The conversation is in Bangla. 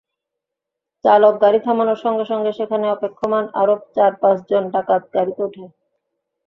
চালক গাড়ি থামানোর সঙ্গে সঙ্গে সেখানে অপেক্ষমাণ আরও চার-পাঁচজন ডাকাত গাড়িতে ওঠে।